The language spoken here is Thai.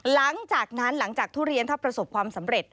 หลังจากนั้นหลังจากทุเรียนถ้าประสบความสำเร็จ